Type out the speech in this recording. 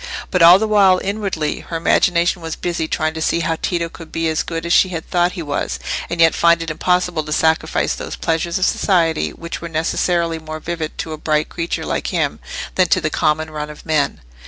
But all the while inwardly her imagination was busy trying to see how Tito could be as good as she had thought he was, and yet find it impossible to sacrifice those pleasures of society which were necessarily more vivid to a bright creature like him than to the common run of men.